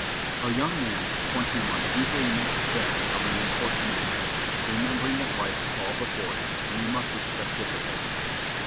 A young man of twenty one usually makes the best of an unfortunate matter, remembering that life is all before him, and he must expect difficulties.